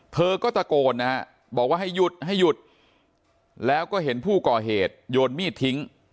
เธอก็ตะโกนนะฮะบอกว่าให้หยุดให้หยุดแล้วก็เห็นผู้ก่อเหตุโยนมีดทิ้ง